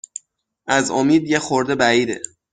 از امید یه خورده بعیده